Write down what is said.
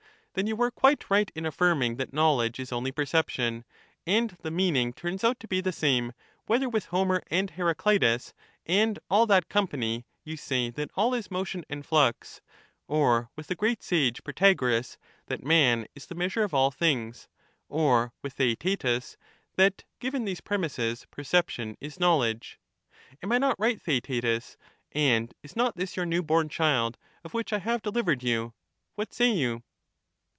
Then you were quite right in affirming that know ledge is only perception ; and the meaning turns out to be the same, whether with Homer and Heracleitus, and all that company, you say that all is motion and flux, or with the great sage Protagoras, that man is the measure of all things ; or with Theaetetus, that, given these premises, perception is knowledge. Am I not right, Theaetetus, and is not this your new born child, of which I have delivered you ? What say you